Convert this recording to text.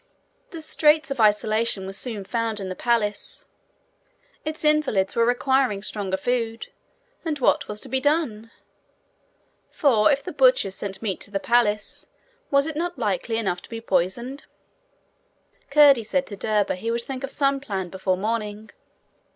The straits of isolation were soon found in the palace: its invalids were requiring stronger food, and what was to be done? For if the butchers sent meat to the palace, was it not likely enough to be poisoned? Curdie said to Derba he would think of some plan before morning.